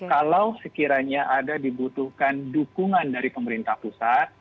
kalau sekiranya ada dibutuhkan dukungan dari pemerintah pusat